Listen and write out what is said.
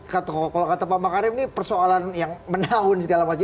kalau kata pak makarim ini persoalan yang menahun segala macam